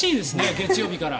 月曜日から。